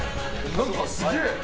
何かすげえ。